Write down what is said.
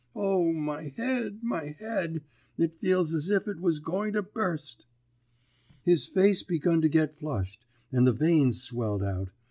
O, my head, my head! It feels as if it was going to burst!' "His face begun to get flushed, and the veins swelled out.